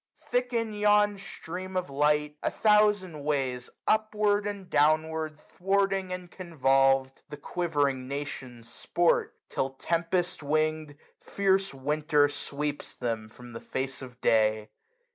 Thick in yon stream of light, a thousand ways. Upward, and downward, thwarting, and convolved. The quivering nations sport j till, tempest wing'd. Fierce Winter sweeps them from the face of day.